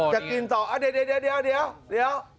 จะกินต่อเดี๋ยว